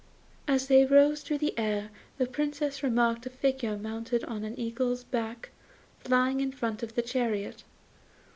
As they rose through the air the Princess remarked a figure mounted on an eagle's back flying in front of the chariot.